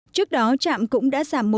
trước đó trạm cũng đã giảm một trăm linh giá vé